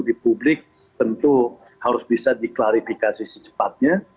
di publik tentu harus bisa diklarifikasi secepatnya